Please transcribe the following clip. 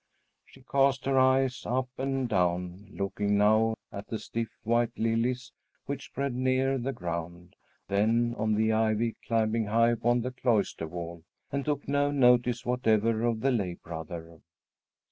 She cast her eyes up and down, looking now at the stiff white lilies which spread near the ground, then on the ivy climbing high upon the cloister wall, and took no notice whatever of the lay brother.